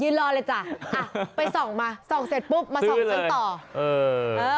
ยืนรอเลยจ้ะไปส่องมาส่องเสร็จปุ๊บมาส่องขึ้นต่อ